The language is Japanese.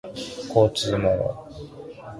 交通網